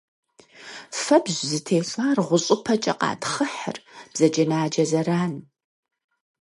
Фэбжь зытехуар гъущӏыпэкӏэ къатхъыхьырт, бзаджэнаджэ зэран.